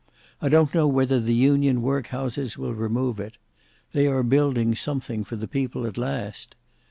I don't know whether the union workhouses will remove it. They are building something for the people at last.